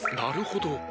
なるほど！